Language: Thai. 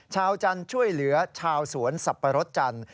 ชาวจันทร์ช่วยเหลือชาวสวนสับปะรดจันทร์